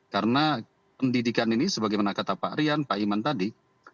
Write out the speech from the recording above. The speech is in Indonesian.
karena pendidikan ini sebagaimana kata pak rian pak iman tadi